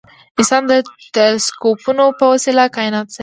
انسان د تلسکوپونو په وسیله کاینات څاري.